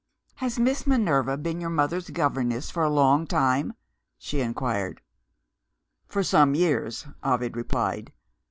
"Has Miss Minerva been your mother's governess for a long time?" she inquired. "For some years," Ovid replied.